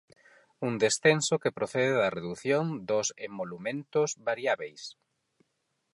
Un descenso que procede da redución dos 'emolumentos variábeis'.